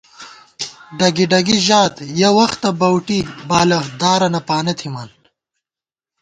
ڈگی ڈُگی ژات یَہ وختہ بَؤٹی بالہ دارَنہ پانہ تھِمان